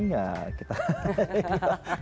ya kita lihat